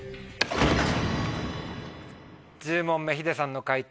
１０問目ヒデさんの解答